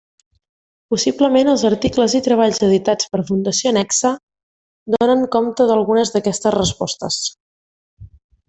Possiblement, els articles i treballs editats per Fundació Nexe donen compte d'algunes d'aquestes respostes.